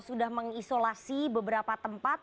sudah mengisolasi beberapa tempat